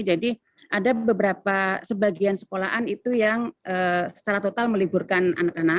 jadi ada beberapa sebagian sekolahan itu yang secara total meliburkan